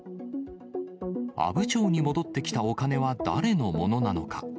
阿武町に戻ってきたお金は誰のものなのか。